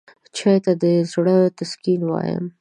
چای ته د زړګي تسکین وایم.